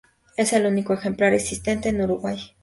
Es el único ejemplar existente en Uruguay.